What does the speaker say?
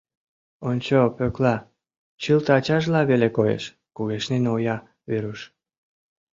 «Ончо, Пӧкла, чылт ачажла веле коеш», —кугешнен ойа Веруш.